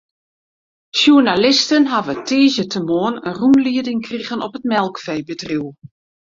Sjoernalisten hawwe tiisdeitemoarn in rûnlieding krigen op it melkfeebedriuw.